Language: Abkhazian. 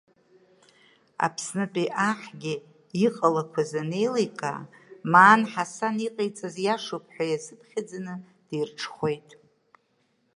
Аԥснытәи аҳгьы, иҟалақәаз анеиликаа, Маан Ҳасан иҟаиҵаз иашоуп ҳәа иазыԥхьаӡаны дирҽхәеит.